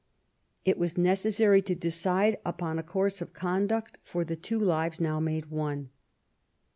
It was neces sary to decide upon a course of conduct for the two y lives now made one.